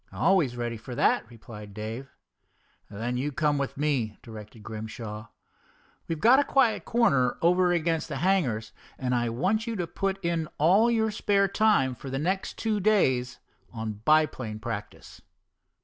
"Always ready for that," replied Dave. "Then you come with me," directed Grimshaw. "We've got a quiet corner over against the hangars, and I want you to put in all your spare time for the next two days on biplane practice."